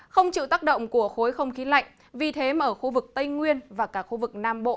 không chịu tác động của khối không khí lạnh vì thế mà ở khu vực tây nguyên và cả khu vực nam bộ